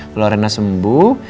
kalau rena sembuh